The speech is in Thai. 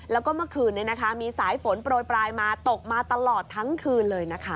แล้วก็เมื่อคืนนี้นะคะมีสายฝนโปรยปลายมาตกมาตลอดทั้งคืนเลยนะคะ